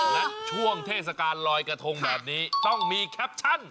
และช่วงเทศกาลลอยกระทงแบบนี้ต้องมีแคปชั่น